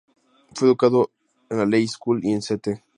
Fue educado en la Leys School y en St.